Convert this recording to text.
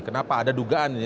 kenapa ada dugaan ini